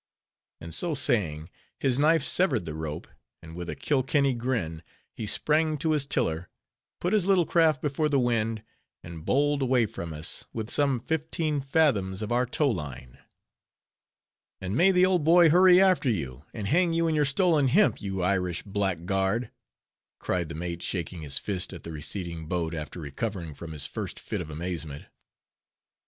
and so saying, his knife severed the rope, and with a Kilkenny grin, he sprang to his tiller, put his little craft before the wind, and bowled away from us, with some fifteen fathoms of our tow line. "And may the Old Boy hurry after you, and hang you in your stolen hemp, you Irish blackguard!" cried the mate, shaking his fist at the receding boat, after recovering from his first fit of amazement.